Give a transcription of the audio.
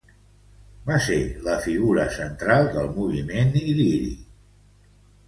Va ser la figura central del moviment iliri.